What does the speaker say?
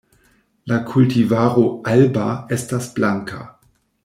La kultivaro 'Alba' estas blanka.